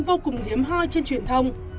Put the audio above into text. vô cùng hiếm hoi trên truyền thông